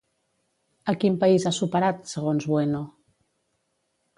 A quin país ha superat, segons Bueno?